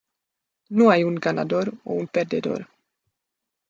No hay un ganador o un perdedor.